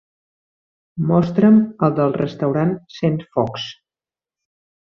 Mostra'm el del restaurant Centfocs.